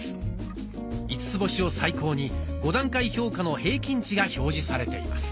５つ星を最高に５段階評価の平均値が表示されています。